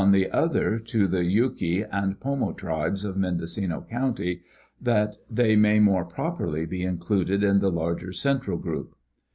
the other to the Yuki and Porno tribes of Mendocino county, that they may more properly be included in the larger central group.